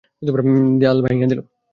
দেয়াল ভাইঙা দিলো।